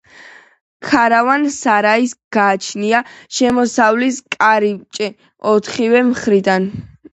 ქარავან-სარაის გააჩნია შემოსასვლელი კარიბჭე ოთხივე მხრიდან.